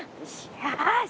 よし！